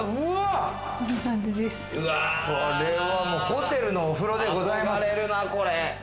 これはホテルのお風呂でございます。